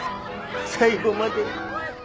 最後まで。